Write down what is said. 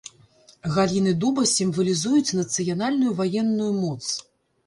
Галіны дуба сімвалізуюць нацыянальную ваенную моц.